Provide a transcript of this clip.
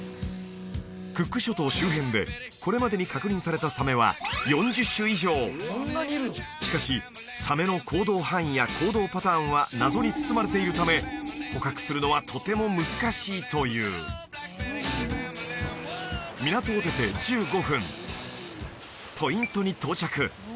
クック諸島周辺でこれまでに確認されたサメは４０種以上しかしサメの行動範囲や行動パターンは謎に包まれているため捕獲するのはとても難しいという港を出て１５分ポイントに到着